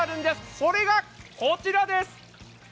それがこちらです！